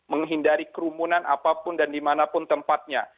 menghindari kerumunan apapun dan dimanapun tempatnya